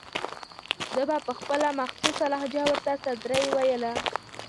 ده به په خپله مخصوصه لهجه ورته سدرۍ ویله.